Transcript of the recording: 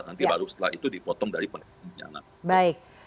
nanti baru setelah itu dipotong dari perbincangan